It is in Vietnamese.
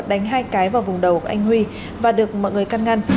đánh hai cái vào vùng đầu của anh huy và được mọi người căn ngăn